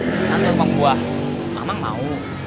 di sana tukang buah mamang mau